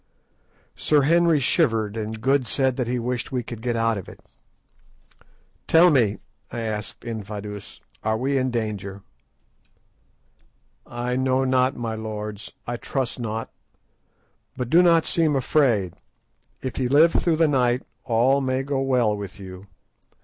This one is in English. Sir Henry shivered, and Good said he wished that we could get out of it. "Tell me," I asked Infadoos, "are we in danger?" "I know not, my lords, I trust not; but do not seem afraid. If ye live through the night all may go well with you.